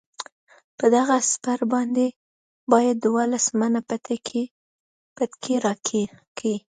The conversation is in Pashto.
په دغه سپر باندې باید دولس منه بتکۍ راکړي.